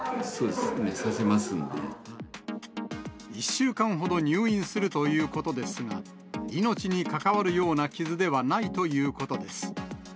１週間ほど入院するということですが、命に関わるような傷ではないということです。